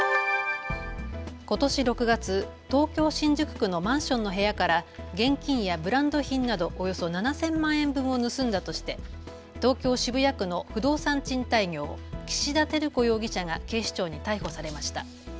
ことし６月、東京新宿区のマンションの部屋から現金やブランド品などおよそ７０００万円分を盗んだとして東京渋谷区の不動産賃貸業、岸田照子容疑者が警視庁に逮捕されました。